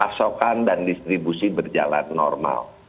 pasokan dan distribusi berjalan normal